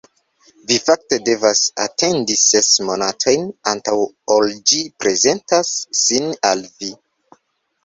Vi fakte devas atendi ses monatojn, antaŭ ol ĝi prezentas sin al vi.